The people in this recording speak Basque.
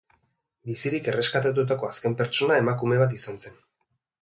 Bizirik erreskatatutako azken pertsona emakume bat izan zen.